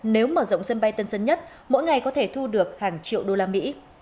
nếu mở rộng sân bay tân sơn nhất mỗi ngày có thể thu được hàng triệu đô la mỹ